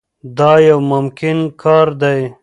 دا یو ممکن کار دی.